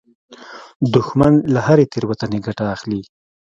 دښمن له هرې تېروتنې ګټه اخلي